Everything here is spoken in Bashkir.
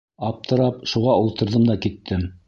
Аптырап, шуға ултырҙым да киттем.